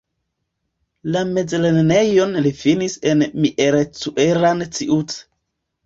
La mezlernejon li finis en Miercurea Ciuc.